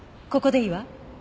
ここでいいわ。